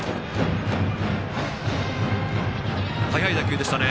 速い打球でしたね。